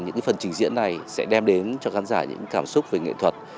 những phần trình diễn này sẽ đem đến cho khán giả những cảm xúc về nghệ thuật